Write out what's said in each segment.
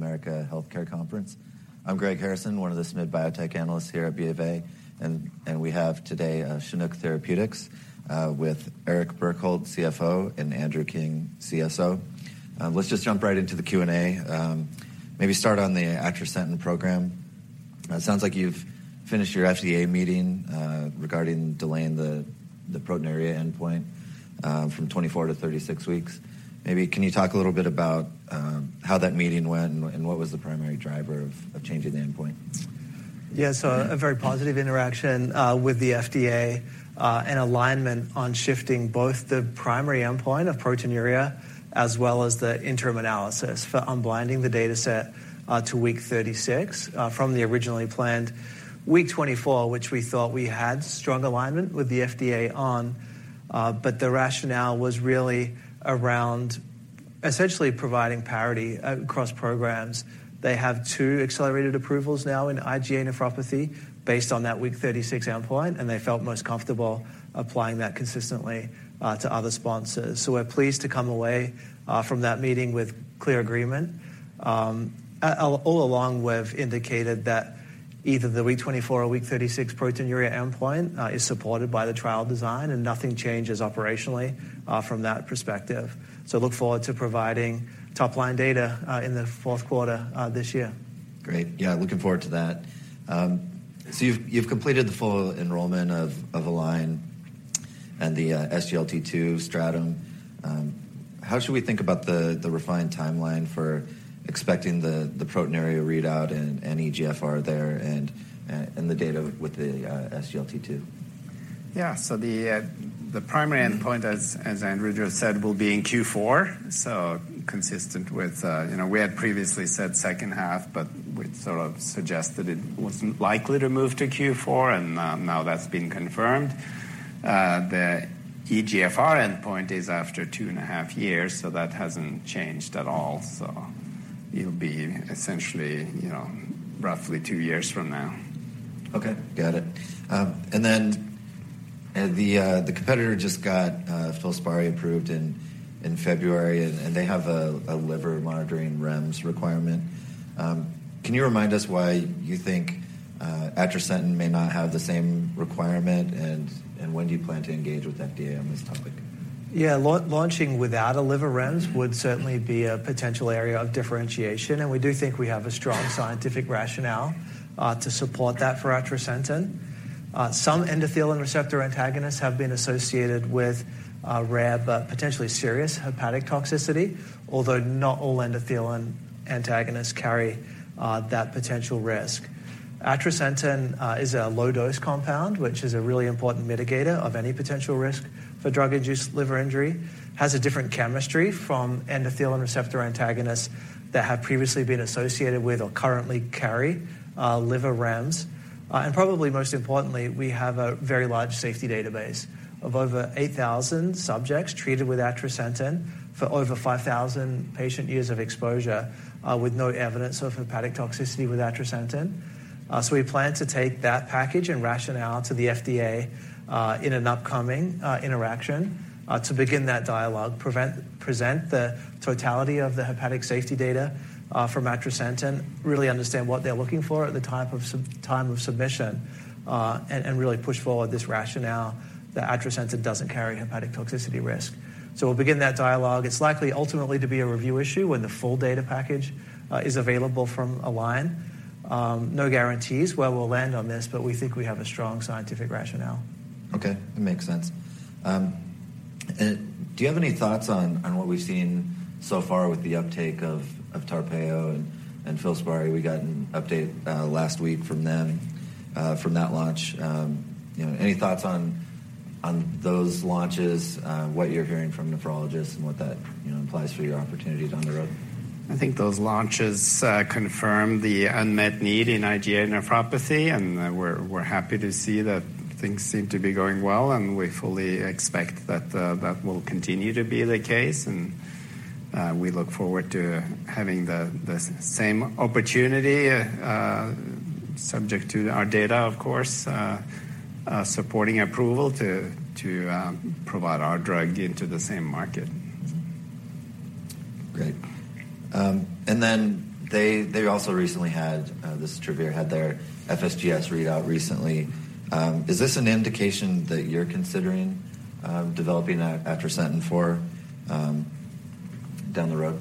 The Bank of America Healthcare Conference. I'm Greg Harrison, one of the mid-biotech analysts here at BofA, we have today Chinook Therapeutics, with Erich Birkholz, CFO, and Andrew King, CSO. Let's just jump right into the Q&A. Maybe start on the atrasentan program. It sounds like you've finished your FDA meeting regarding delaying the proteinuria endpoint from 24 to 36 weeks. Maybe can you talk a little bit about how that meeting went and what was the primary driver of changing the endpoint? A very positive interaction with the FDA and alignment on shifting both the primary endpoint of proteinuria as well as the interim analysis for unblinding the dataset to week 36 from the originally planned week 24, which we thought we had strong alignment with the FDA on. The rationale was really around essentially providing parity across programs. They have two accelerated approvals now in IgA nephropathy based on that week 36 endpoint, and they felt most comfortable applying that consistently to other sponsors. We're pleased to come away from that meeting with clear agreement. All along, we've indicated that either the week 24 or week 36 proteinuria endpoint is supported by the trial design and nothing changes operationally from that perspective. Look forward to providing top-line data in the fourth quarter this year. Great. Yeah, looking forward to that. You've completed the full enrollment of ALIGN and the SGLT2 stratum. How should we think about the refined timeline for expecting the proteinuria readout and any eGFR there and the data with the SGLT2? Yeah. The primary endpoint as Andrew just said, will be in Q4. Consistent with, you know, we had previously said second half, but we'd sort of suggested it wasn't likely to move to Q4, now that's been confirmed. The eGFR endpoint is after two and a half years, that hasn't changed at all. It'll be essentially, you know, roughly two years from now. Okay. Got it. The competitor just got FILSPARI approved in February and they have a liver monitoring REMS requirement. Can you remind us why you think atrasentan may not have the same requirement and when do you plan to engage with FDA on this topic? Launching without a liver REMS would certainly be a potential area of differentiation, and we do think we have a strong scientific rationale to support that for atrasentan. Some endothelin receptor antagonists have been associated with rare but potentially serious hepatic toxicity, although not all endothelin antagonists carry that potential risk. Atrasentan is a low-dose compound, which is a really important mitigator of any potential risk for drug-induced liver injury, has a different chemistry from endothelin receptor antagonists that have previously been associated with or currently carry liver REMS. Probably most importantly, we have a very large safety database of over 8,000 subjects treated with atrasentan for over 5,000 patient years of exposure with no evidence of hepatic toxicity with atrasentan. We plan to take that package and rationale to the FDA in an upcoming interaction to begin that dialogue, present the totality of the hepatic safety data from atrasentan, really understand what they're looking for at the time of submission, and really push forward this rationale that atrasentan doesn't carry hepatic toxicity risk. We'll begin that dialogue. It's likely ultimately to be a review issue when the full data package is available from ALIGN. No guarantees where we'll land on this, but we think we have a strong scientific rationale. Okay. That makes sense. Do you have any thoughts on what we've seen so far with the uptake of TARPEYO and FILSPARI? We got an update last week from them from that launch. You know, any thoughts on those launches, what you're hearing from nephrologists and what that, you know, implies for your opportunities on the road? I think those launches confirm the unmet need in IgA nephropathy, and we're happy to see that things seem to be going well, and we fully expect that that will continue to be the case. We look forward to having the same opportunity, subject to our data, of course, supporting approval to provide our drug into the same market. Great. They also recently had this Travere had their FSGS readout recently. Is this an indication that you're considering developing atrasentan for down the road?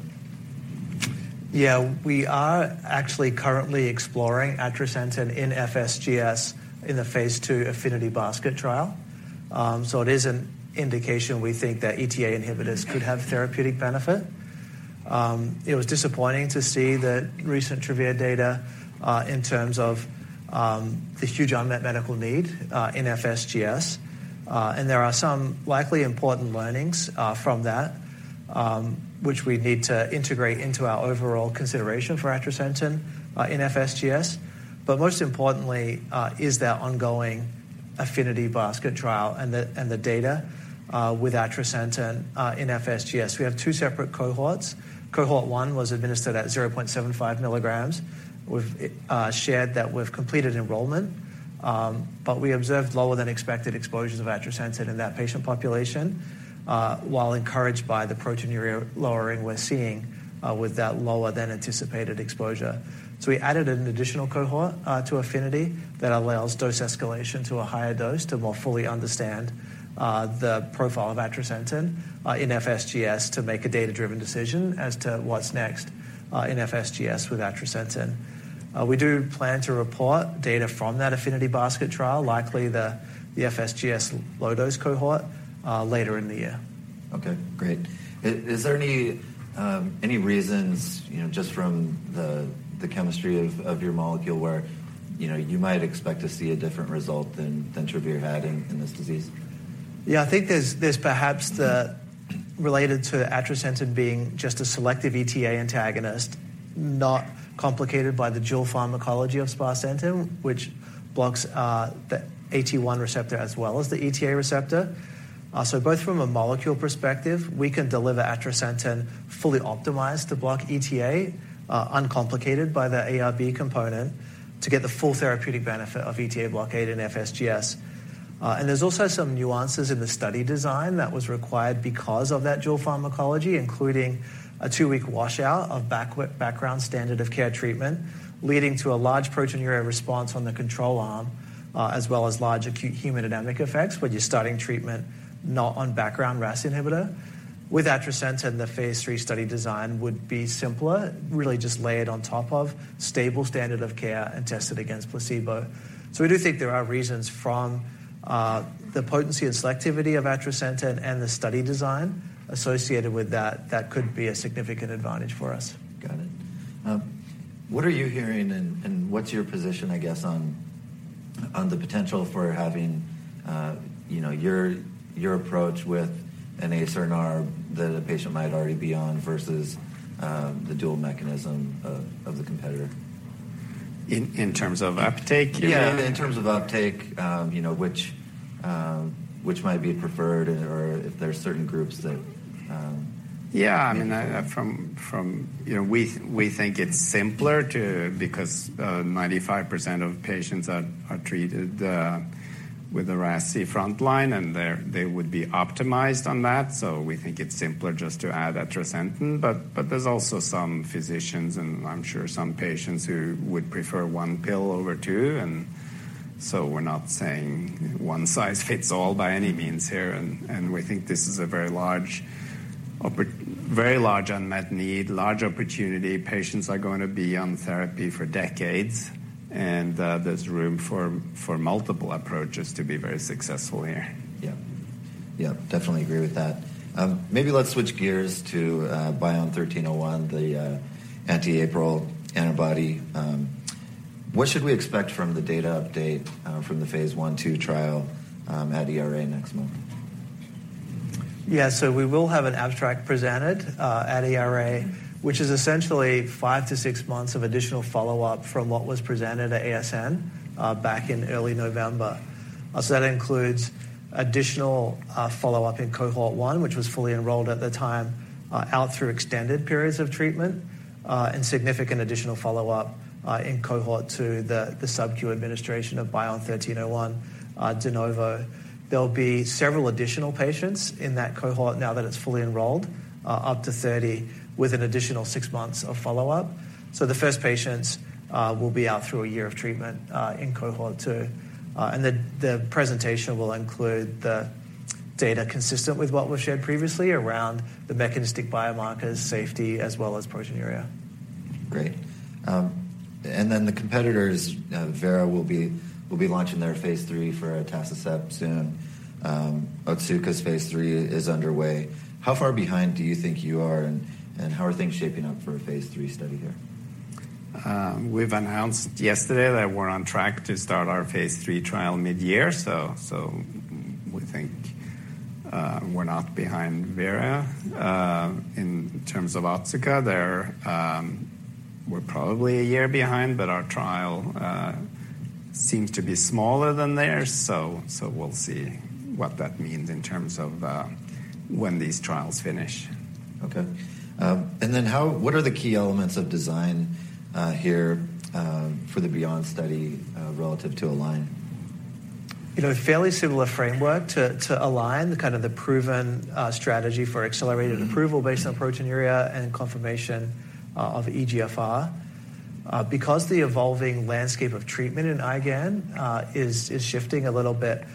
Yeah. We are actually currently exploring atrasentan in FSGS in the phase 2 AFFINITY basket trial. It is an indication we think that ETA inhibitors could have therapeutic benefit. It was disappointing to see the recent Travere data in terms of the huge unmet medical need in FSGS. There are some likely important learnings from that which we need to integrate into our overall consideration for atrasentan in FSGS. Most importantly is that ongoing AFFINITY basket trial and the data with atrasentan in FSGS. We have two separate cohorts. Cohort 1 was administered at 0.75 milligrams. We've shared that we've completed enrollment. We observed lower than expected exposures of atrasentan in that patient population, while encouraged by the proteinuria lowering we're seeing with that lower than anticipated exposure. We added an additional cohort to AFFINITY that allows dose escalation to a higher dose to more fully understand the profile of atrasentan in FSGS to make a data-driven decision as to what's next in FSGS with atrasentan. We do plan to report data from that AFFINITY basket trial, likely the FSGS low-dose cohort later in the year. Okay, great. Is there any reasons, you know, just from the chemistry of your molecule where, you know, you might expect to see a different result than Travere had in this disease? I think there's perhaps related to atrasentan being just a selective ETA antagonist, not complicated by the dual pharmacology of sparsentan, which blocks the AT1 receptor as well as the ETA receptor. Both from a molecule perspective, we can deliver atrasentan fully optimized to block ETA, uncomplicated by the ARB component to get the full therapeutic benefit of ETA blockade in FSGS. There's also some nuances in the study design that was required because of that dual pharmacology, including a two-week washout of background standard of care treatment, leading to a large proteinuria response on the control arm, as well as large acute hemodynamic effects when you're starting treatment not on background RAS inhibitor. With atrasentan, the phase 3 study design would be simpler. Really just lay it on top of stable standard of care and test it against placebo. We do think there are reasons from, the potency and selectivity of atrasentan and the study design associated with that could be a significant advantage for us. Got it. What are you hearing and what's your position, I guess, on the potential for having, you know, your approach with an ACE or an ARB that a patient might already be on versus the dual mechanism of the competitor? In terms of uptake, you mean? Yeah, in terms of uptake, you know, which might be preferred or if there are certain groups that... Yeah. I mean, you know, we think it's simpler because 95% of patients are treated with a RASi frontline, and they would be optimized on that. We think it's simpler just to add atrasentan. There's also some physicians, and I'm sure some patients who would prefer one pill over two. We're not saying one size fits all by any means here. We think this is a very large unmet need, large opportunity. Patients are gonna be on therapy for decades. There's room for multiple approaches to be very successful here. Yeah. Yeah, definitely agree with that. Maybe let's switch gears to BION-1301, the anti-APRIL antibody. What should we expect from the data update from the phase 1/2 trial at ERA next month? Yeah. We will have an abstract presented at ERA, which is essentially five-six months of additional follow-up from what was presented at ASN back in early November. That includes additional follow-up in cohort 1, which was fully enrolled at the time, out through extended periods of treatment, and significant additional follow-up in cohort 2, the subcu administration of BION-1301 de novo. There'll be several additional patients in that cohort now that it's fully enrolled, up to 30, with an additional six months of follow-up. The first patients will be out through 1 year of treatment in cohort 2. The presentation will include the data consistent with what was shared previously around the mechanistic biomarkers, safety as well as proteinuria. Great. Then the competitors, Vera will be launching their phase 3 for atacicept soon. Otsuka's phase 3 is underway. How far behind do you think you are, and how are things shaping up for a phase 3 study here? We've announced yesterday that we're on track to start our phase 3 trial mid-year, so we think we're not behind Vera Therapeutics. In terms of Otsuka, they're we're probably 1 year behind, but our trial seems to be smaller than theirs, so we'll see what that means in terms of when these trials finish. Okay. What are the key elements of design here for the BEYOND study relative to ALIGN? You know, fairly similar framework to ALIGN, the kind of the proven strategy for accelerated approval based on proteinuria and confirmation of eGFR. Because the evolving landscape of treatment in IgAN is shifting a little bit,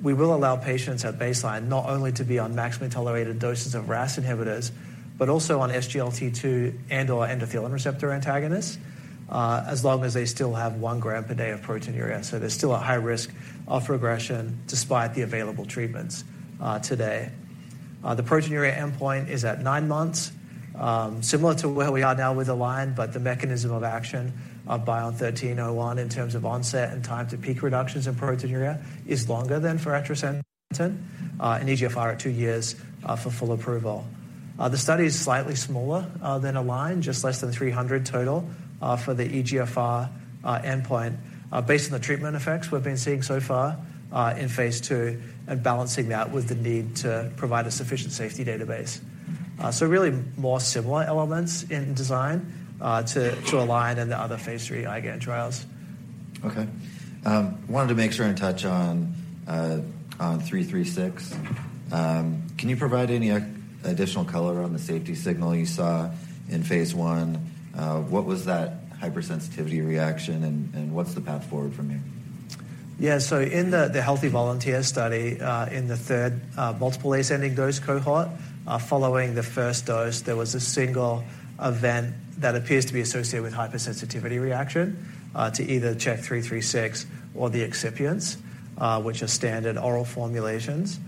we will allow patients at baseline not only to be on maximally tolerated doses of RAS inhibitors but also on SGLT2 and/or endothelin receptor antagonists as long as they still have one gram per day of proteinuria. There's still a high risk of regression despite the available treatments today. The proteinuria endpoint is at nine months, similar to where we are now with ALIGN, the mechanism of action of BION-1301 in terms of onset and time to peak reductions in proteinuria is longer than for atrasentan, and eGFR at two years for full approval. The study is slightly smaller than ALIGN, just less than 300 total for the eGFR endpoint, based on the treatment effects we've been seeing so far in phase 2 and balancing that with the need to provide a sufficient safety database. Really more similar elements in design to ALIGN and the other phase 3 IgAN trials. Okay. wanted to make sure and touch on CHK-336. Can you provide any additional color on the safety signal you saw in phase 1? What was that hypersensitivity reaction, and what's the path forward from here? In the healthy volunteer study, in the third multiple ascending dose cohort, following the first dose, there was a single event that appears to be associated with hypersensitivity reaction to either CHK-336 or the excipients, which are standard oral formulations.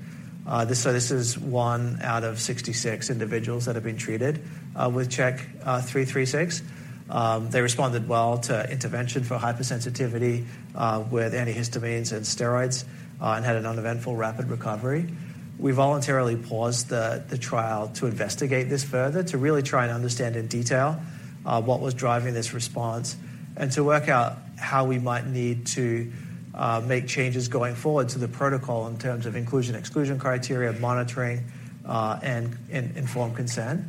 This is one of 66 individuals that have been treated with CHK-336. They responded well to intervention for hypersensitivity with antihistamines and steroids and had an uneventful rapid recovery. We voluntarily paused the trial to investigate this further, to really try and understand in detail what was driving this response and to work out how we might need to make changes going forward to the protocol in terms of inclusion, exclusion criteria, monitoring, and informed consent.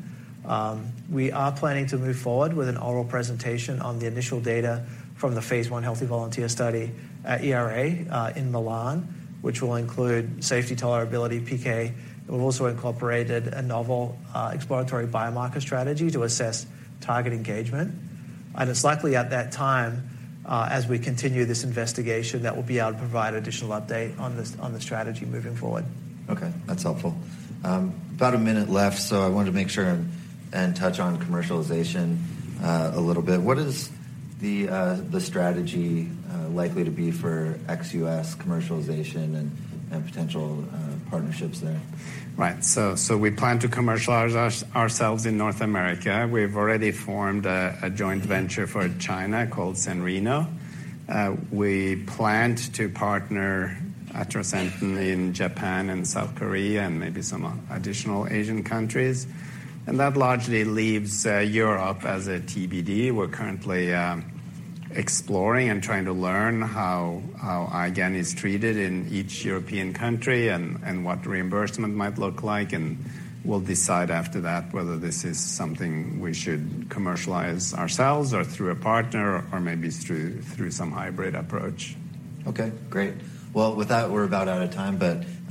We are planning to move forward with an oral presentation on the initial data from the phase 1 healthy volunteer study at ERA in Milan, which will include safety tolerability PK. We've also incorporated a novel exploratory biomarker strategy to assess target engagement. It's likely at that time, as we continue this investigation, that we'll be able to provide additional update on the strategy moving forward. Okay, that's helpful. About a minute left, I wanted to make sure and touch on commercialization a little bit. What is the strategy likely to be for ex-US commercialization and potential partnerships there? Right. We plan to commercialize ourselves in North America. We've already formed a joint venture for China called SanReno. We plan to partner atrasentan in Japan and South Korea and maybe some additional Asian countries. That largely leaves Europe as a TBD. We're currently exploring and trying to learn how IgAN is treated in each European country and what reimbursement might look like. We'll decide after that whether this is something we should commercialize ourselves or through a partner or maybe through some hybrid approach. Okay, great. Well, with that, we're about out of time.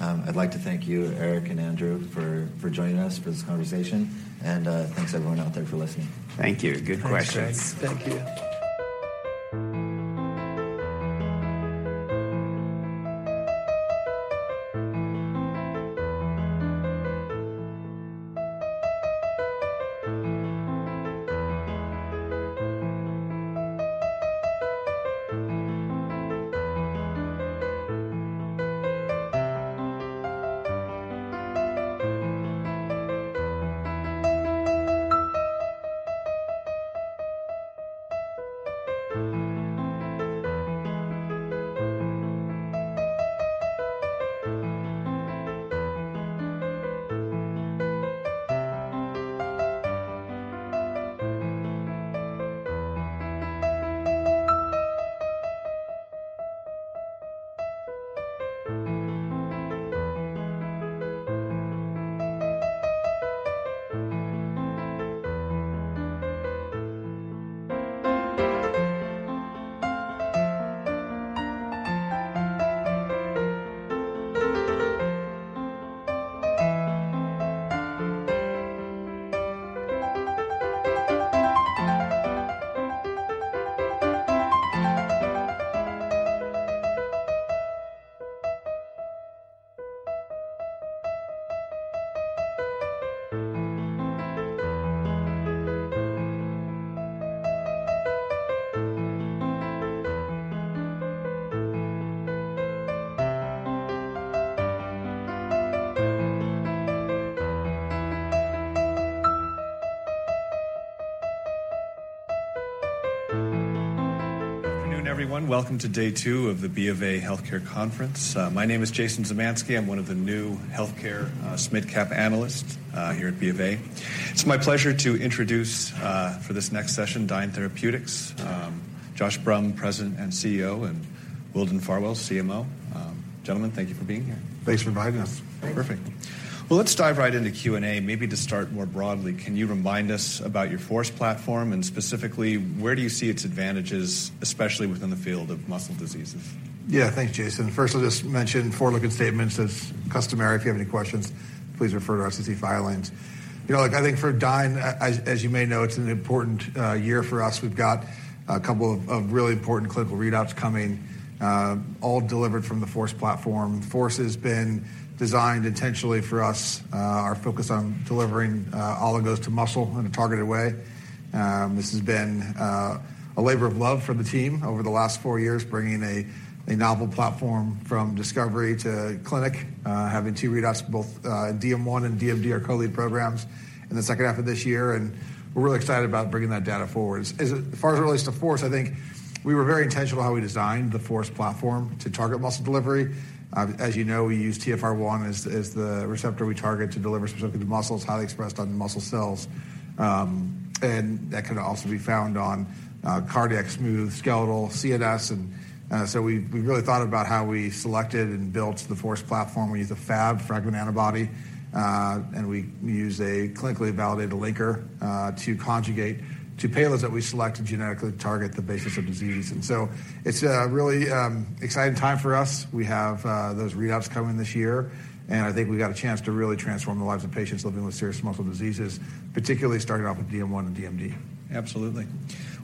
I'd like to thank you, Erich and Andrew, for joining us for this conversation. Thanks everyone out there for listening. Thank you. Good questions. Thanks, Greg. Thank you. Good afternoon, everyone. Welcome to day two of the BofA Healthcare Conference. My name is Jason Zemansky. I'm one of the new healthcare, mid-cap analysts, here at BofA. It's my pleasure to introduce for this next session Dyne Therapeutics. Eric Dobmeier, President and CEO, and Wildon Farwell, CMO. Gentlemen, thank you for being here. Thanks for inviting us. Perfect. Let's dive right into Q&A. Maybe to start more broadly, can you remind us about your FORCE platform, and specifically, where do you see its advantages, especially within the field of muscle diseases? Yeah. Thanks, Jason. First, I'll just mention forward-looking statements as customary. If you have any questions, please refer to our SEC filings. You know, like I think for Dyne, as you may know, it's an important year for us. We've got a couple of really important clinical readouts coming, all delivered from the FORCE platform. FORCE has been designed intentionally for us, our focus on delivering oligos to muscle in a targeted way. This has been a labor of love for the team over the last four years, bringing a novel platform from discovery to clinic, having two readouts, both DM1 and DMD, our colleague programs, in the second half of this year, and we're really excited about bringing that data forward. As far as it relates to FORCE, I think we were very intentional how we designed the FORCE platform to target muscle delivery. As you know, we use TfR1 as the receptor we target to deliver specifically to muscles highly expressed on muscle cells, and that can also be found on cardiac, smooth, skeletal, CNS. We really thought about how we selected and built the FORCE platform. We use a fab fragment antibody, and we use a clinically validated linker to conjugate to payloads that we select to genetically target the basis of disease. It's a really exciting time for us. We have those readouts coming this year, and I think we've got a chance to really transform the lives of patients living with serious muscle diseases, particularly starting off with DM1 and DMD. Absolutely.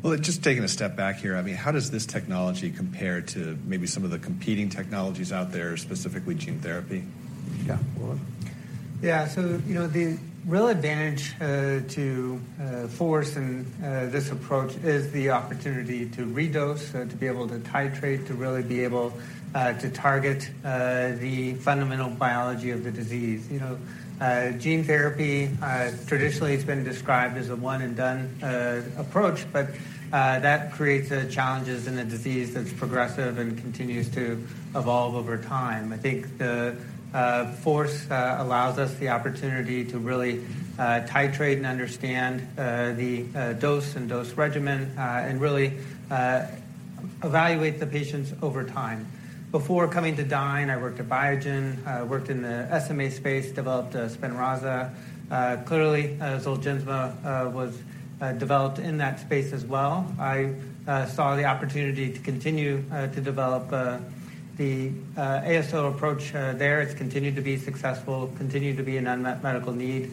Well, just taking a step back here, I mean, how does this technology compare to maybe some of the competing technologies out there, specifically gene therapy? Yeah. Wilden? You know, the real advantage to FORCE and this approach is the opportunity to redose, to be able to titrate, to really be able to target the fundamental biology of the disease. You know, gene therapy traditionally it's been described as a one and done approach, but that creates challenges in a disease that's progressive and continues to evolve over time. I think the FORCE allows us the opportunity to really titrate and understand the dose and dose regimen and really evaluate the patients over time. Before coming to Dyne, I worked at Biogen. I worked in the SMA space, developed Spinraza. Clearly, Zolgensma was developed in that space as well. I saw the opportunity to continue to develop the ASO approach there. It's continued to be successful, continued to be an unmet medical need.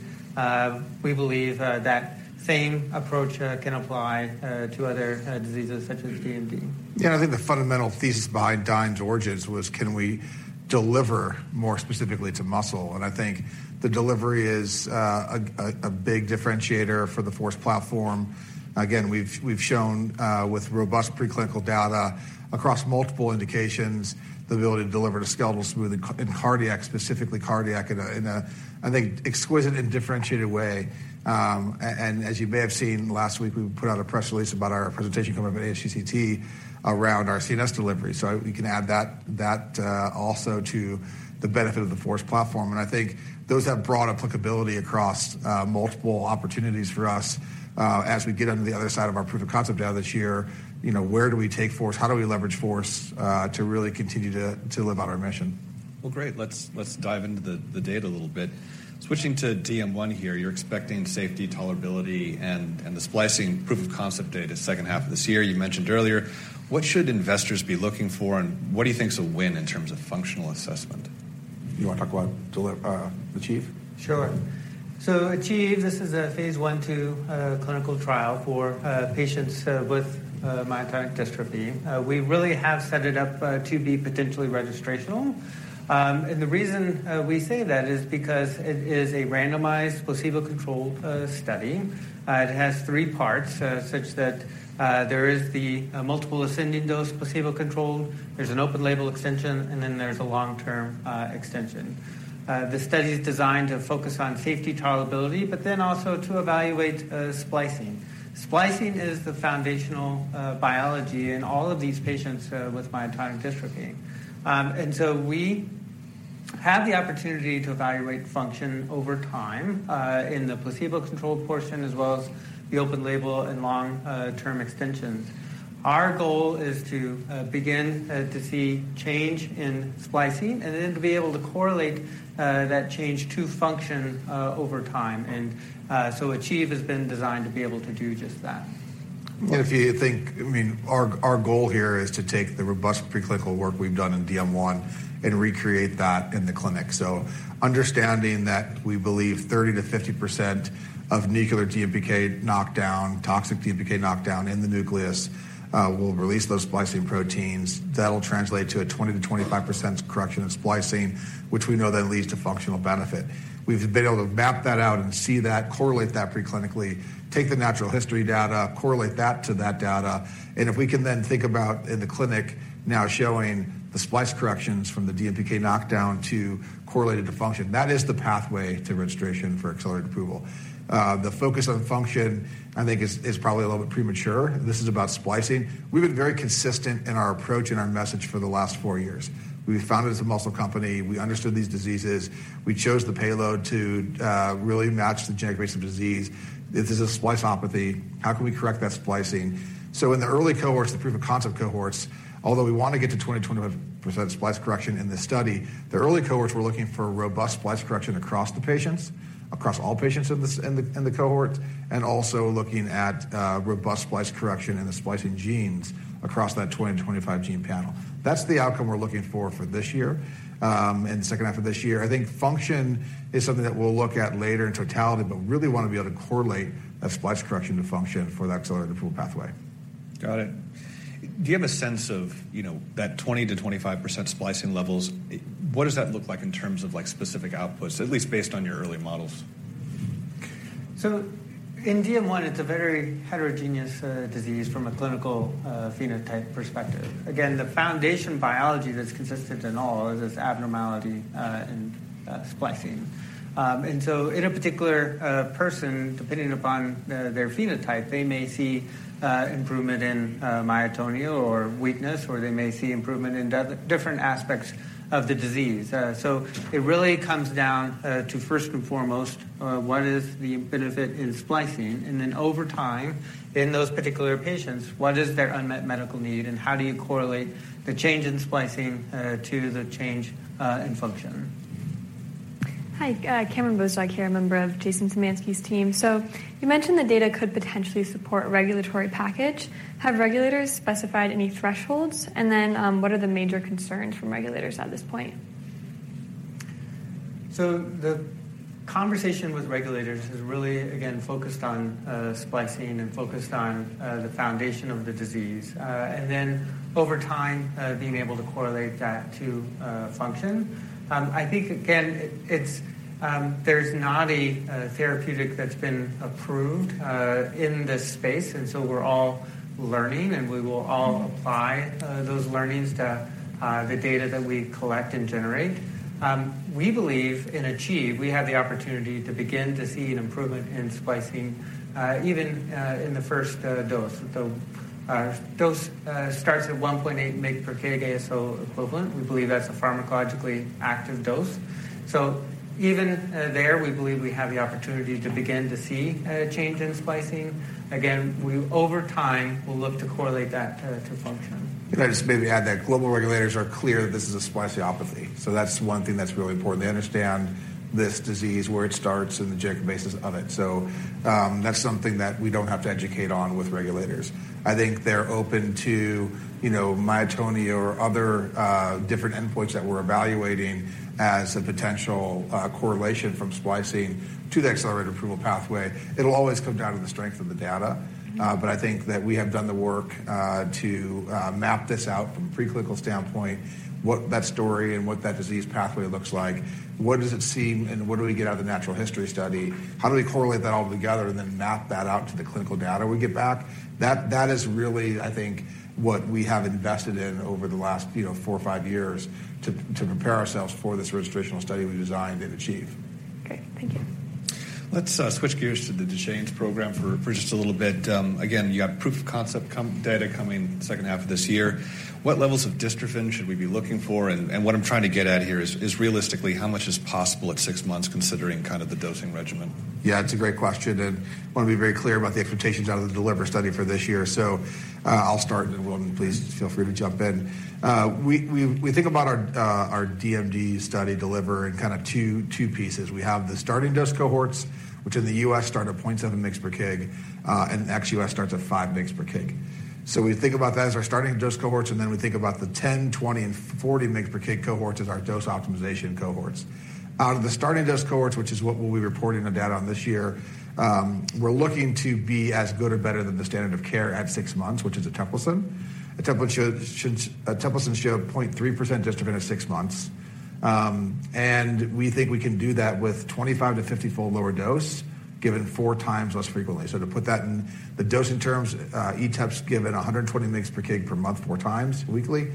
We believe that same approach can apply to other diseases such as DMD. Yeah. I think the fundamental thesis behind Dyne's origins was can we deliver more specifically to muscle? I think the delivery is a big differentiator for the FORCE platform. Again, we've shown with robust preclinical data across multiple indications, the ability to deliver to skeletal smooth and cardiac, specifically cardiac in a, I think, exquisite and differentiated way. As you may have seen last week, we put out a press release about our presentation coming up at ASGCT around our CNS delivery. We can add that also to the benefit of the FORCE platform. I think those have broad applicability across multiple opportunities for us as we get onto the other side of our proof of concept data this year. You know, where do we take FORCE? How do we leverage FORCE, to really continue to live out our mission? Great. Let's dive into the data a little bit. Switching to DM1 here, you're expecting safety, tolerability and the splicing proof of concept data second half of this year, you mentioned earlier. What should investors be looking for, and what do you think is a win in terms of functional assessment? You wanna talk about ACHIEVE? Sure. ACHIEVE, this is a phase 1/2 clinical trial for patients with myotonic dystrophy. We really have set it up to be potentially registrational. The reason we say that is because it is a randomized, placebo-controlled study. It has three parts such that there is the multiple ascending dose placebo-controlled, there's an open label extension, and then there's a long-term extension. The study is designed to focus on safety tolerability, but then also to evaluate splicing. Splicing is the foundational biology in all of these patients with myotonic dystrophy. We have the opportunity to evaluate function over time in the placebo-controlled portion, as well as the open label and long-term extensions. Our goal is to begin to see change in splicing and then to be able to correlate that change to function over time. ACHIEVE has been designed to be able to do just that. I mean, our goal here is to take the robust preclinical work we've done in DM1 and recreate that in the clinic. Understanding that we believe 30%-50% of nuclear DMPK knockdown, toxic DMPK knockdown in the nucleus, will release those splicing proteins. That'll translate to a 20%-25% correction of splicing, which we know then leads to functional benefit. We've been able to map that out and see that, correlate that preclinically, take the natural history data, correlate that to that data, and if we can then think about in the clinic now showing the splice corrections from the DMPK knockdown to correlated to function. That is the pathway to registration for accelerated approval. The focus on function I think is probably a little bit premature. This is about splicing. We've been very consistent in our approach and our message for the last four years. We were founded as a muscle company. We understood these diseases. We chose the payload to really match the genetic basis of disease. This is a spliceopathy. How can we correct that splicing? In the early cohorts, the proof of concept cohorts, although we wanna get to 20%-25% splice correction in this study, the early cohorts were looking for robust splice correction across the patients, across all patients in this, in the cohort, and also looking at robust splice correction in the splicing genes across that 20-25 gene panel. That's the outcome we're looking for for this year, and the second half of this year. I think function is something that we'll look at later in totality, but we really wanna be able to correlate a splice correction to function for that accelerated approval pathway. Got it. Do you have a sense of, you know, that 20%-25% splicing levels? What does that look like in terms of like specific outputs, at least based on your early models? In DM1, it's a very heterogeneous disease from a clinical phenotype perspective. Again, the foundation biology that's consistent in all is this abnormality in splicing. In a particular person, depending upon their phenotype, they may see improvement in myotonia or weakness, or they may see improvement in different aspects of the disease. It really comes down to first and foremost, what is the benefit in splicing? Over time, in those particular patients, what is their unmet medical need, and how do you correlate the change in splicing to the change in function? Hi. Cameron Bozorg here, member of Jason Zemansky's team. You mentioned the data could potentially support regulatory package. Have regulators specified any thresholds? What are the major concerns from regulators at this point? The conversation with regulators has really, again, focused on splicing and focused on the foundation of the disease. Over time, being able to correlate that to function. I think again, it's there's not a therapeutic that's been approved in this space, we're all learning, and we will all apply those learnings to the data that we collect and generate. We believe in ACHIEVE, we have the opportunity to begin to see an improvement in splicing, even in the first dose. The dose starts at 1.8 mg per kg ASO equivalent. We believe that's a pharmacologically active dose. Even there, we believe we have the opportunity to begin to see a change in splicing. We over time will look to correlate that to function. Can I just maybe add that global regulators are clear that this is a Spliceopathy. That's one thing that's really important. They understand this disease, where it starts and the genetic basis of it. That's something that we don't have to educate on with regulators. I think they're open to, you know, myotonia or other different endpoints that we're evaluating as a potential correlation from splicing to the accelerated approval pathway. It'll always come down to the strength of the data. I think that we have done the work to map this out from a pre-clinical standpoint, what that story and what that disease pathway looks like. What does it seem and what do we get out of the natural history study? How do we correlate that all together and then map that out to the clinical data we get back? That is really, I think, what we have invested in over the last, you know, four or five years to prepare ourselves for this registrational study we designed in ACHIEVE. Okay. Thank you. Let's switch gears to the Duchenne program for just a little bit. Again, you have proof of concept data coming second half of this year. What levels of dystrophin should we be looking for? What I'm trying to get at here is realistically, how much is possible at six months considering kind of the dosing regimen? It's a great question, and wanna be very clear about the expectations out of the DELIVER study for this year. I'll start, and Will, please feel free to jump in. We think about our DMD study DELIVER in kinda two pieces. We have the starting dose cohorts, which in the U.S. start at 0.7 mgs per kg, and ex-US starts at 5 mgs per kg. We think about that as our starting dose cohorts, and then we think about the 10, 20, and 40 mgs per kg cohorts as our dose optimization cohorts. Out of the starting dose cohorts, which is what we'll be reporting the data on this year, we're looking to be as good or better than the standard of care at 6 months, which is Eteplirsen. Eteplirsen showed 0.3% dystrophin at six months. We think we can do that with 25-50 fold lower dose, given four times less frequently. To put that in the dosing terms, eteplirsen's given 120 mg per kg per month, four times weekly.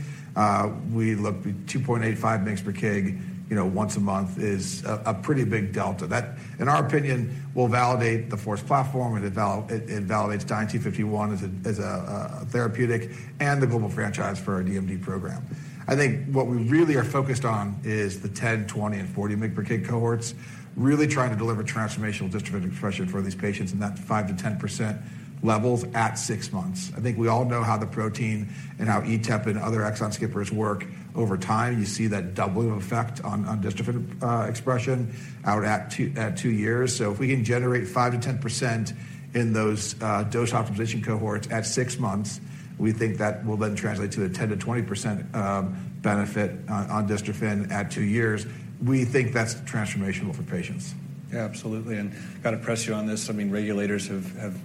We look at 2.85 mg per kg, you know, once a month is a pretty big delta. That, in our opinion, will validate the FORCE platform. It validates DYNE-251 as a therapeutic and the global franchise for our DMD program. I think what we really are focused on is the 10, 20, and 40 mg per kg cohorts, really trying to deliver transformational dystrophin expression for these patients in that 5%-10% levels at six months. I think we all know how the protein and how eteplirsen and other exon skippers work over time. You see that doubling effect on dystrophin expression out at two years. If we can generate 5%-10% in those dose optimization cohorts at six months, we think that will then translate to a 10%-20% benefit on dystrophin at two years. We think that's transformational for patients. Yeah, absolutely. Gotta press you on this. I mean, regulators have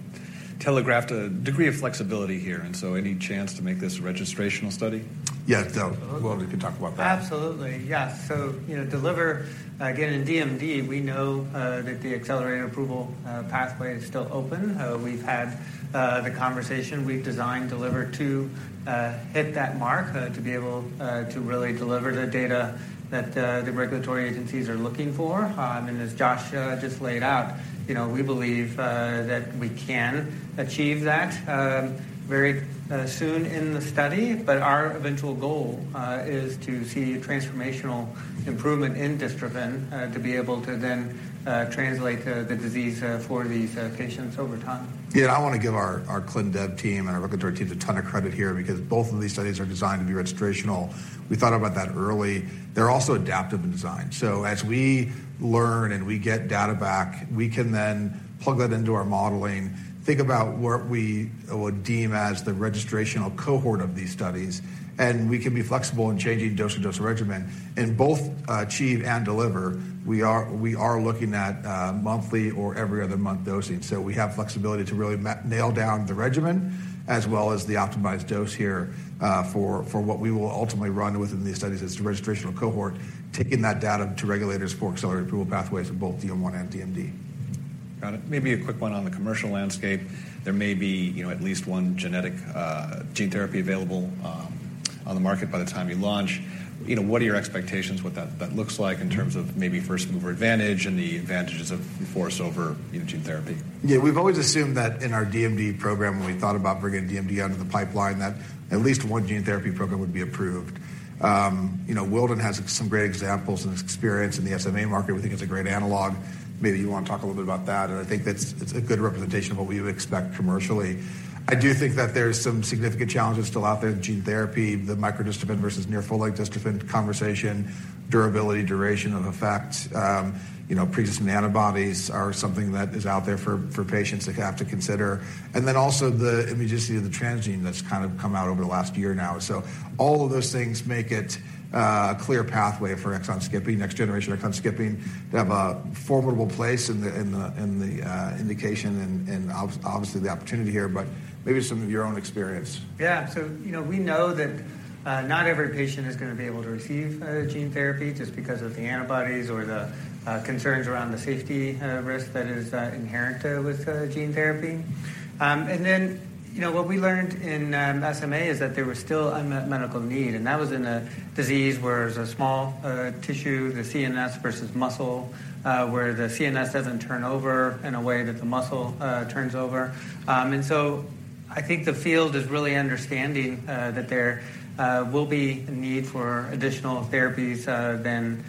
telegraphed a degree of flexibility here, and so any chance to make this a registrational study? Yeah. Well, we can talk about that. Absolutely. Yes. You know, DELIVER, again, in DMD, we know that the accelerated approval pathway is still open. We've had the conversation. We've designed DELIVER to hit that mark, to be able to really deliver the data that the regulatory agencies are looking for. As Joshua just laid out, you know, we believe that we can achieve that very soon in the study. Our eventual goal is to see transformational improvement in dystrophin, to be able to then translate the disease for these patients over time. Yeah. I wanna give our clin dev team and our regulatory teams a ton of credit here because both of these studies are designed to be registrational. We thought about that early. They're also adaptive in design. As we learn and we get data back, we can then plug that into our modeling, think about what we would deem as the registrational cohort of these studies, and we can be flexible in changing dose and dose regimen. In both ACHIEVE and DELIVER, we are looking at monthly or every other month dosing. We have flexibility to really nail down the regimen as well as the optimized dose here for what we will ultimately run within these studies as the registrational cohort, taking that data to regulators for accelerated approval pathways for both DM1 and DMD. Got it. Maybe a quick one on the commercial landscape. There may be, you know, at least one genetic gene therapy available on the market by the time you launch, you know, what are your expectations, what that looks like in terms of maybe first mover advantage and the advantages of force over, you know, gene therapy? We've always assumed that in our DMD program, when we thought about bringing DMD under the pipeline, that at least one gene therapy program would be approved. You know, Wilden has some great examples and experience in the SMA market. We think it's a great analog. Maybe you wanna talk a little bit about that, and I think that's a good representation of what we would expect commercially. I do think that there's some significant challenges still out there. The gene therapy, the microdystrophin versus near full length dystrophin conversation, durability, duration of effect. You know, pre-existing antibodies are something that is out there for patients that have to consider. Also the immunogenicity of the transgene that's kind of come out over the last year now. All of those things make it a clear pathway for exon skipping, next generation exon skipping to have a formidable place in the indication and obviously the opportunity here, but maybe some of your own experience. Yeah. You know, we know that not every patient is gonna be able to receive gene therapy just because of the antibodies or the concerns around the safety risk that is inherent with gene therapy. Then, you know, what we learned in SMA is that there was still unmet medical need, and that was in a disease where it's a small tissue, the CNS versus muscle, where the CNS doesn't turn over in a way that the muscle turns over. So I think the field is really understanding that there will be a need for additional therapies other than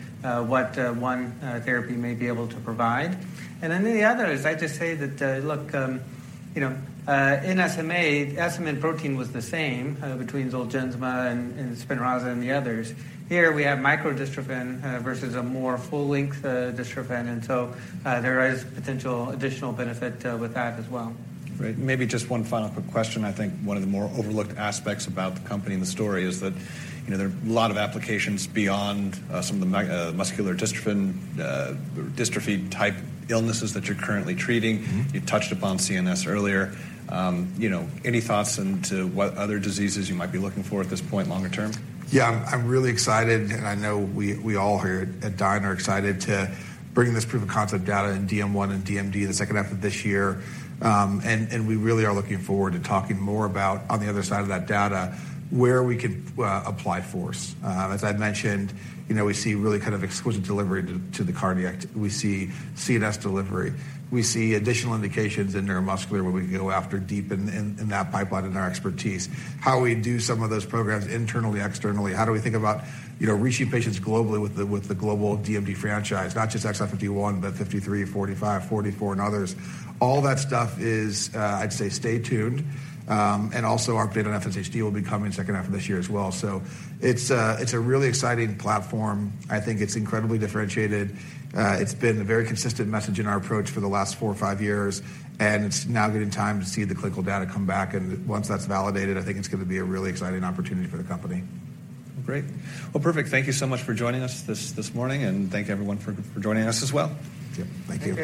what one therapy may be able to provide. The other is I just say that, look, you know, in SMA, the SMN protein was the same between Zolgensma and Spinraza and the others. Here we have microdystrophin versus a more full length dystrophin. There is potential additional benefit with that as well. Great. Maybe just one final quick question. I think one of the more overlooked aspects about the company and the story is that, you know, there are a lot of applications beyond some of the muscular dystrophy type illnesses that you're currently treating. Mm-hmm. You touched upon CNS earlier. You know, any thoughts into what other diseases you might be looking for at this point longer term? I'm really excited, and I know we all here at Dyne are excited to bring this proof of concept data in DM1 and DMD in the second half of this year. We really are looking forward to talking more about on the other side of that data, where we could apply force. As I mentioned, you know, we see really kind of exquisite delivery to the cardiac. We see CDS delivery. We see additional indications in neuromuscular, where we can go after deep in that pipeline and our expertise. How we do some of those programs internally, externally, how do we think about, you know, reaching patients globally with the global DMD franchise. Not just exon 51, but 53, 45, 44 and others. All that stuff is, I'd say stay tuned. Also our update on FSHD will be coming second half of this year as well. It's, it's a really exciting platform. I think it's incredibly differentiated. It's been a very consistent message in our approach for the last four or five years, and it's now getting time to see the clinical data come back. Once that's validated, I think it's gonna be a really exciting opportunity for the company. Great. Well, perfect. Thank you so much for joining us this morning. Thank you everyone for joining us as well. Yep. Thank you.